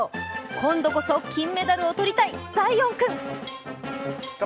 今度こそ金メダルを取りたいザイオン君。